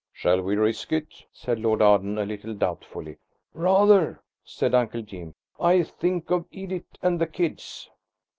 "Shall we risk it?" said Lord Arden, a little doubtfully. "Rather!" said Uncle Jim; "think of Edith and the kids."